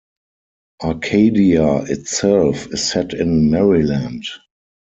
Arcadia itself is set in Maryland.